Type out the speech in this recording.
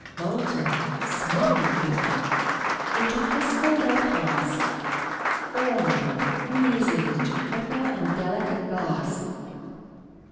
Molten, smoking a little, Into crystal they pass; Falling, freezing, to brittle And delicate glass.